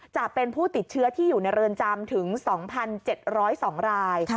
จะเป็นผู้ติดเชื้อที่อยู่ในเรือนจำถึง๒๗๐๒ราย